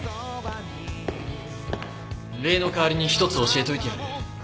礼の代わりに１つ教えといてやる。